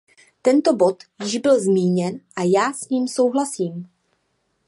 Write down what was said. Tento bod již byl zmíněn a já s ním souhlasím.